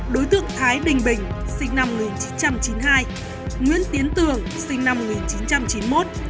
đối tượng thái bình sinh năm một nghìn chín trăm chín mươi hai nguyễn tiến tường sinh năm một nghìn chín trăm chín mươi một